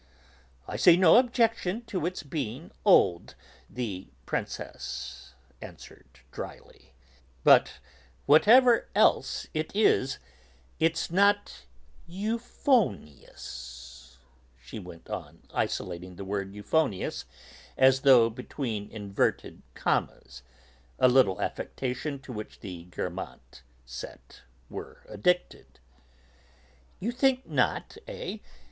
"I see no objection to its being old," the Princess answered dryly, "but whatever else it is it's not euphonious," she went on, isolating the word euphonious as though between inverted commas, a little affectation to which the Guermantes set were addicted. "You think not, eh!